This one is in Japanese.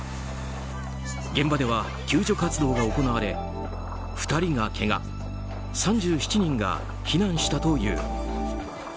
現場では救助活動が行われ２人がけが３７人が避難したという。